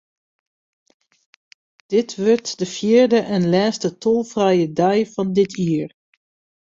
Dit wurdt de fjirde en lêste tolfrije dei fan dit jier.